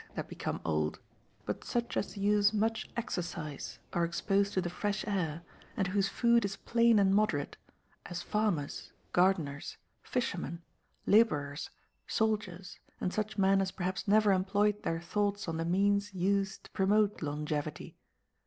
that become old, but such as use much exercise, are exposed to the fresh air, and whose food is plain and moderate as farmers, gardeners, fishermen, labourers, soldiers, and such men as perhaps never employed their thoughts on the means used to promote longevity."